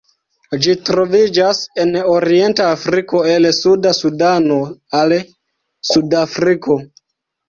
Ĝi troviĝas en orienta Afriko el suda Sudano al Sudafriko.